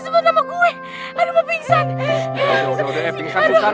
terhambat kuekan membingkikan